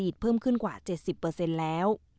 อีกเพิ่มขึ้นกว่า๗๐เปอร์เซ็นต์แล้ว